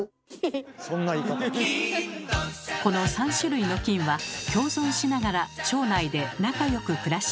この３種類の菌は共存しながら腸内で仲よく暮らしています。